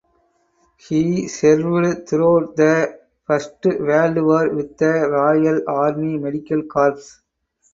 He served throughout the First World War with the Royal Army Medical Corps.